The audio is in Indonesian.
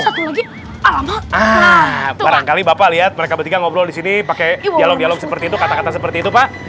barangkali bapak lihat mereka bertiga ngobrol di sini pakai dialog dialog seperti itu kata kata seperti itu pak